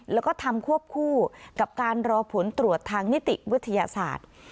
แล้วก็ทำควบคู่กับการรอผลตรวจทางนิติวิทยาศาสตร์